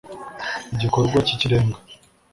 igikorwa cy'ikirenga